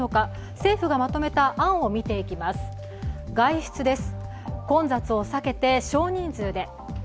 政府がまとめた案を見ていきます。